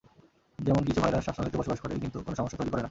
যেমন কিছু ভাইরাস শ্বাসনালিতে বসবাস করে, কিন্তু কোনো সমস্যা তৈরি করে না।